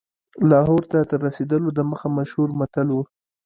لاهور ته تر رسېدلو دمخه مشهور متل و.